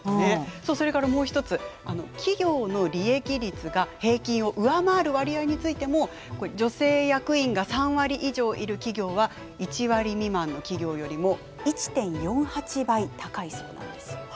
それからもう一つ企業の利益率が平均を上回る割合についても女性役員が３割以上いる企業は１割未満の企業よりも１．４８倍高いそうなんですよ。